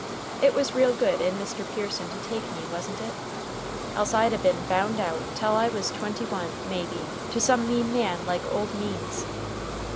"It was real good in Mr. Pearson to take me, wasn't it? Else I'd a been bound out tell I was twenty one, maybe, to some mean man like Ole Means.